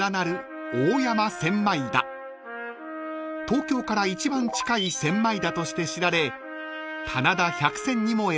［東京から一番近い千枚田として知られ］